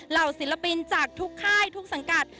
เหล่าศิลปินจากทุกค่ายทุกสังกัด